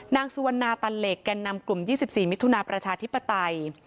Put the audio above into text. นางสุวรรณาตันเหล็กแก่นำกลุ่ม๒๔มิถุนาประชาธิปไตย